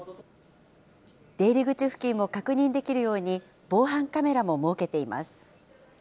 出入り口付近も確認できるように、防犯カメラも設けています。